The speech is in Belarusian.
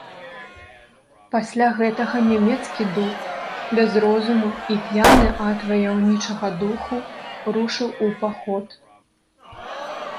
Пасля гэтага нямецкі дуб, без розуму і п'яны ад ваяўнічага духу, рушыў у паход.